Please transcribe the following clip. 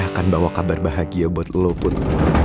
gue akan bawa kabar bahagia buat lo pun